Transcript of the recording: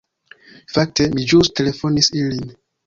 Fakte, mi ĵus telefonis ilin.